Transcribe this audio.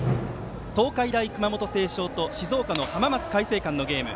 東海大熊本星翔と静岡の浜松開誠館のゲーム。